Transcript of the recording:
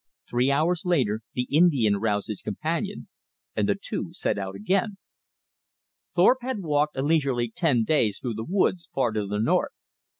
Three hours later the Indian roused his companion, and the two set out again. Thorpe had walked a leisurely ten days through the woods far to the north.